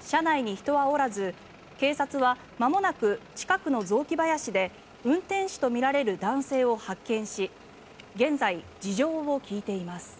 車内に人はおらず警察はまもなく近くの雑木林で運転手とみられる男性を発見し現在、事情を聴いています。